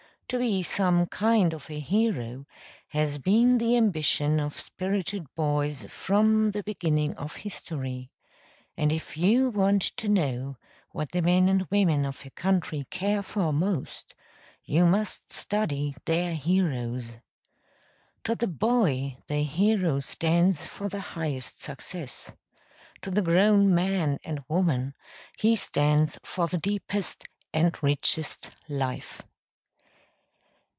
To be some kind of a hero has been the ambition of spirited boys from the beginning of history; and if you want to know what the men and women of a country care for most, you must study their heroes. To the boy the hero stands for the highest success: to the grown man and woman he stands for the deepest and richest life.